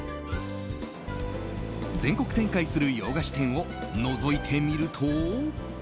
全国展開する洋菓子店をのぞいてみると。